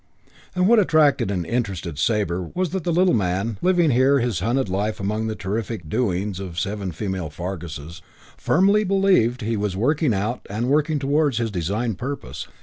And what attracted and interested Sabre was that the little man, living here his hunted life among the terrific "doings" of the seven female Farguses, firmly believed that he was working out and working towards his designed purpose.